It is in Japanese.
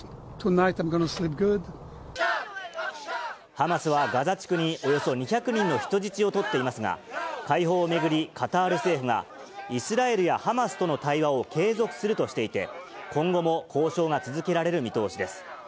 ハマスはガザ地区におよそ２００人の人質を取っていますが、解放を巡り、カタール政府が、イスラエルやハマスとの対話を継続するとしていて、今後も交渉が続けられる見通しです。